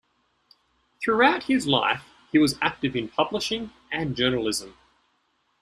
Throughout his life he was active in publishing and journalism.